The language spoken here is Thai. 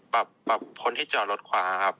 ปรับพ้นที่จอดรถขวาครับ